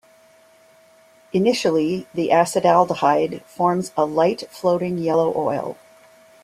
Initially, the acetaldehyde forms a light floating yellow oil.